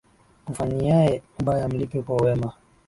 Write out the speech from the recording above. Akufanyiaye ubaya mlipe kwa wema